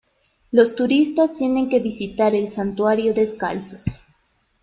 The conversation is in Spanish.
Los turistas tienen que visitar el santuario descalzos.